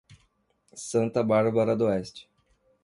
Santa Bárbara D´oeste